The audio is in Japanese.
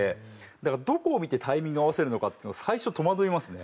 だからどこを見てタイミングを合わせるのかっていうのを最初戸惑いますね。